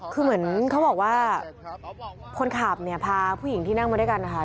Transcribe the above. คือเหมือนเขาบอกว่าคนขับเนี่ยพาผู้หญิงที่นั่งมาด้วยกันนะคะ